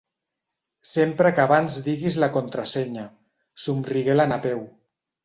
Sempre que abans diguis la contrasenya —somrigué la Napeu.